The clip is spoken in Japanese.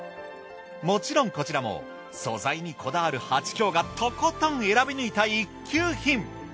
もちろんこちらも素材にこだわるはちきょうがとことん選び抜いた一級品。